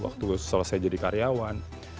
waktu selesai jadi karyawan